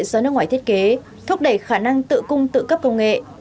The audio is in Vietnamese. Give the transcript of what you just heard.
do nước ngoài thiết kế thúc đẩy khả năng tự cung tự cấp công nghệ